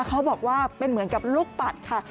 เขาบอกว่าเป็นเหมือนกับลูกปัดค่ะ